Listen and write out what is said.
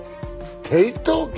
抵当権？